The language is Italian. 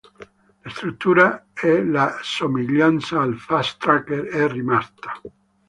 La struttura e la somiglianza al Fast Tracker è rimasta.